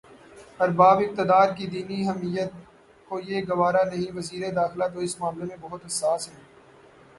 ارباب اقتدارکی دینی حمیت کو یہ گوارا نہیں وزیر داخلہ تو اس معاملے میں بہت حساس ہیں۔